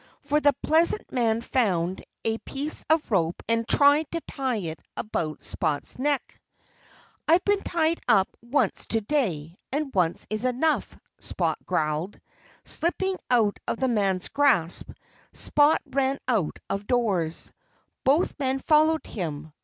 For the pleasant man found a piece of rope and tried to tie it about Spot's neck. "I've been tied up once to day; and once is enough," Spot growled. Slipping out of the man's grasp, Spot ran out of doors. Both men followed him.